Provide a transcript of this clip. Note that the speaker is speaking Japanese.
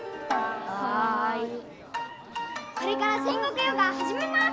これから戦国ヨガをはじめます！